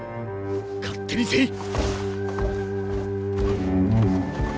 勝手にせい！